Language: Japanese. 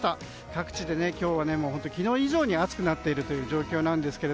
各地で今日は昨日以上に暑くなっている状況です。